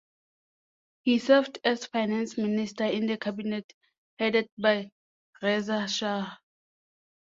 He served as finance minister in the cabinet headed by Reza Shah.